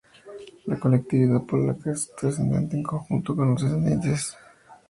La colectividad polaca es trascendente en conjunto con los descendientes polaco-estadounidenses.